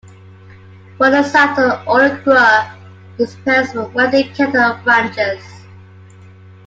Born in Salto, Uruguay, his parents were wealthy cattle ranchers.